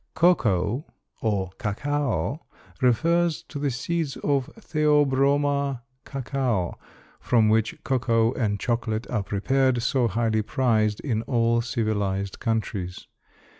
Cocoa or cacao refers to the seeds of Theobroma cacao, from which cocoa and chocolate are prepared, so highly prized in all civilized countries.